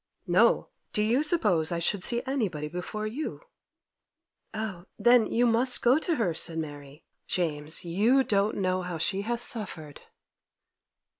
'No! Do you suppose I should see anybody before you?' 'Oh, then you must go to her!' said Mary. 'Oh, James, you don't know how she has suffered!